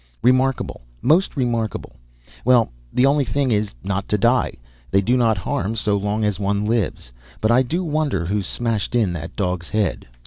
Remarkable! Most remarkable! Well, the only thing is not to die. They do not harm so long as one lives. But I do wonder who smashed in that dog's head."